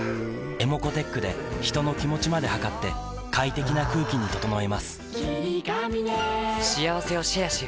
ｅｍｏｃｏーｔｅｃｈで人の気持ちまで測って快適な空気に整えます